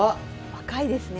若いですね。